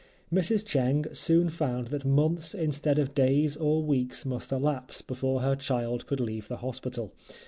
Mrs. Cheng soon found that months instead of days or weeks must elapse, before her child could leave the hospital.